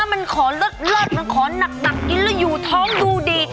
มันขอเลิศมันขอหนักกินแล้วอยู่ท้องดูดี